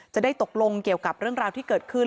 จะได้ตกลงเกี่ยวกับเรื่องราวที่เกิดขึ้น